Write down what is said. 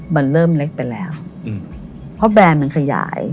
มันเริ่มเล็กไปแล้วเพราะแบรนด์มันขยาย